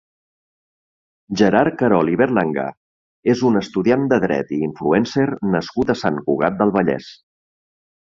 Gerard Querol i Berlanga és un estudiant de dret i influencer nascut a Sant Cugat del Vallès.